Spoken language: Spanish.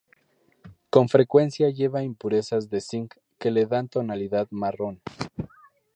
Con frecuencia lleva impurezas de cinc que le dan tonalidad marrón.